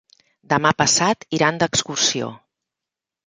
Demà passat iran d'excursió.